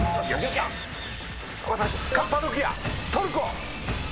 私⁉カッパドキアトルコ！